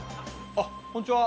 あっこんにちは。